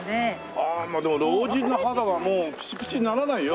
ああまあでも老人の肌はもうピチピチにならないよ？